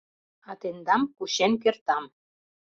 А тендам кучен кертам.